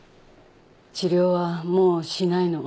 治療はもうしないの。